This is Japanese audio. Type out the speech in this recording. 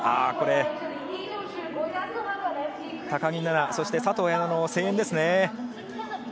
これ、高木菜那、そして佐藤綾乃の声援ですね。